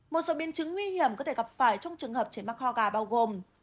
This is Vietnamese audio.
một số biên chứng nguy hiểm có thể gặp phải trong trường hợp trẻ mắc hoa gà bao gồm